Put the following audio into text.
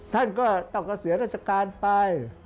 ท่านก็ต้องกระเสียราชการไป